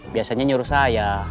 biasanya nyuruh saya